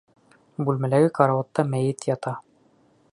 Бүлмәләге карауатта мәйет ята.